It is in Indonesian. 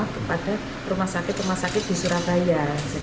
kepada rumah sakit rumah sakit di surabaya